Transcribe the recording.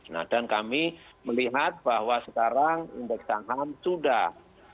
nah dan kami melihat bahwa sekarang indeks saham sudah